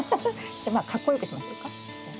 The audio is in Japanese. じゃまあかっこよくしましょうか。